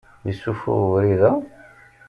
Issufuɣ ubrid-a?